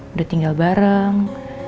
udah tinggal bareng